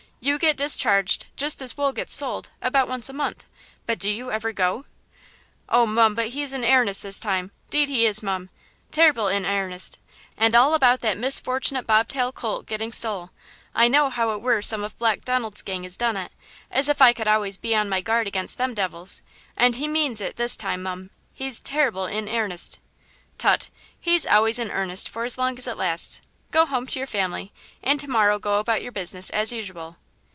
You get discharged, just as Wool gets sold, about once a month–but do you ever go?" "Oh, mum, but he's in airnest this time; 'deed he is, mum; terrible in airnest; and all about that misfortunate bobtail colt getting stole. I know how it wur some of Black Donald's gang as done it–as if I could always be on my guard against them devils; and he means it this time, mum; he's terrible in airnest!" "Tut! he's always in earnest for as long as it lasts; go home to your family and to morrow go about your business as usual."